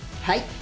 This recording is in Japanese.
はい。